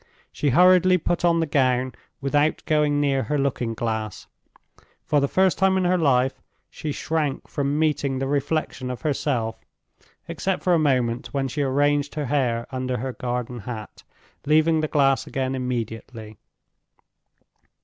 She hurriedly put on the gown, without going near her looking glass. For the first time in her life she shrank from meeting the reflection of herself—except for a moment, when she arranged her hair under her garden hat, leaving the glass again immediately.